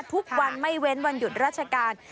ทุกวันไม่เว้นวันหยุดราชการ